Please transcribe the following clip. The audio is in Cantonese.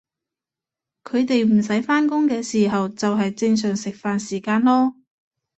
佢哋唔使返工嘅时候就係正常食飯時間囉